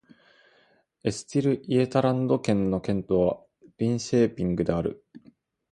エステルイェータランド県の県都はリンシェーピングである